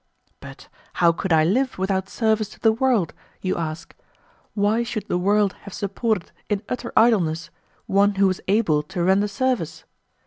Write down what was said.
But how could I live without service to the world? you ask. Why should the world have supported in utter idleness one who was able to render service?